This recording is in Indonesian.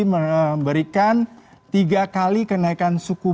memberikan tiga kali kenaikan suku